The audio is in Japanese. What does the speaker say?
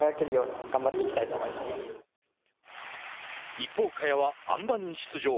一方、萱はあん馬に出場。